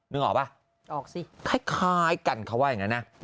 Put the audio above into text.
นึกออกป่ะคล้ายกันคือว่าอย่างนั้นนะ